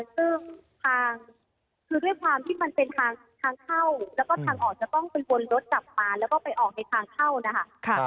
ซึ่งทางคือด้วยความที่มันเป็นทางเข้าแล้วก็ทางออกจะต้องเป็นวนรถกลับมาแล้วก็ไปออกในทางเข้านะคะ